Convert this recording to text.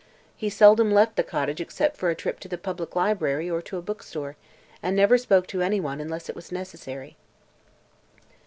He seldom left the cottage except for a trip to the public library or to a book store, and never spoke to anyone unless it was necessary.